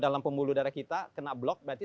dalam pembuluh darah kita kena blok berarti